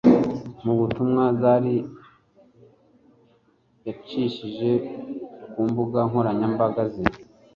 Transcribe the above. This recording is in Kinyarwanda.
Mu butumwa Zari yacishije ku mbuga nkoranyambaga ze